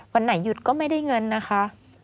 วันไหนหยุดก็ไม่ได้เงินนะคะ